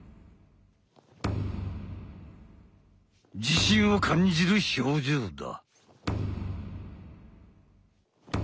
自信を感じる表情だ！